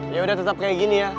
yaudah tetap kayak gini ya